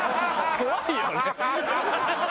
怖いよね。